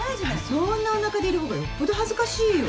そんなおなかでいる方がよっぽど恥ずかしいよ。